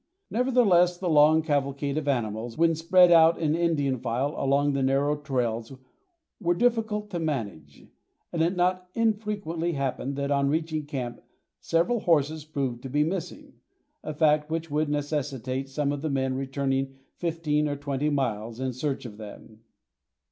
Nevertheless the long cavalcade of animals, when spread out in Indian file along the narrow trails were difficult to manage, and it not infrequently happened that on reaching camp several horses proved to be missing, a fact which would necessitate some of the men returning fifteen or twenty miles in search of them.